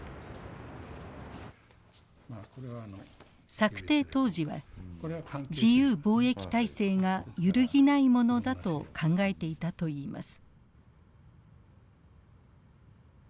策定当時は自由貿易体制が揺るぎないものだと考えていたといいます。